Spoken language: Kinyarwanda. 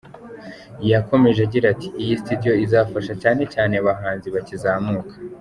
Yakomeje agira ati: “ Iyi studio izafasha cyane cyane abahanzi bakizamuka.